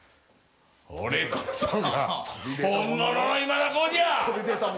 俺こそが本物の今田耕司や！